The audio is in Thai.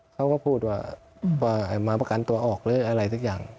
เขาก็พูดว่ามาประกันตัวออกหรืออะไรสักอย่าง